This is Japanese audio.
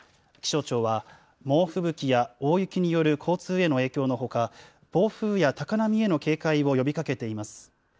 気象庁は、猛吹雪や大雪による交通への影響のほか、暴風や高波への警戒を呼びかけています。